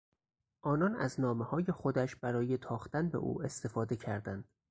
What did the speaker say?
آنان از نامههای خودش برای تاختن به او استفاده کردند.